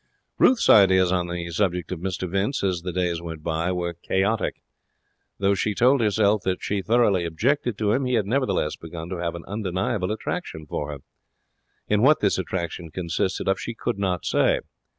Ruth's ideas on the subject of Mr Vince as the days went by were chaotic. Though she told herself that she thoroughly objected to him, he had nevertheless begun to have an undeniable attraction for her. In what this attraction consisted she could not say.